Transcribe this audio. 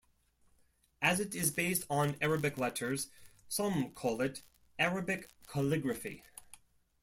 As it is based on Arabic letters, some call it "Arabic calligraphy".